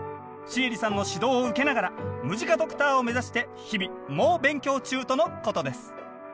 シエリさんの指導を受けながらムジカドクターを目指して日々猛勉強中とのことです。